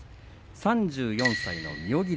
３４歳の妙義龍